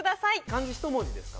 漢字１文字ですか？